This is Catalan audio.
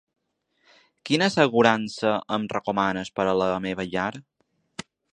Quina assegurança em recomanes per a la meva llar?